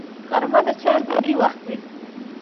غرمه د چایو او ډوډۍ وخت وي